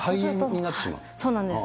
そうなんです。